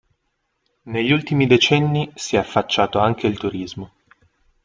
Negli ultimi decenni si è affacciato anche il turismo.